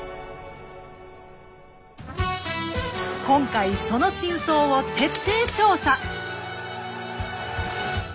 今回その真相を徹底調査！